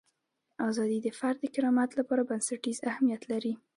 ازادي د فرد د کرامت لپاره بنسټیز اهمیت لري.